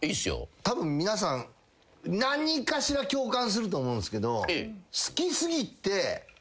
たぶん皆さん何かしら共感すると思うんすけど。